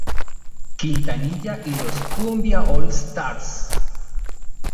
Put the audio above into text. Quintanilla Y Los Kumbia All Starz.